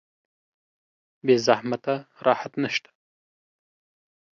بې زحمت راحت نشته